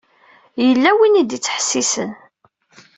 Yella win i d-ittḥessisen.